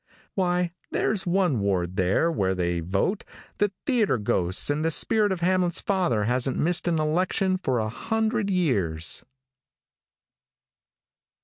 "Why, there's one ward there where they vote the theatre ghosts and the spirit of Hamlet's father hasn't missed an election for a hundred years."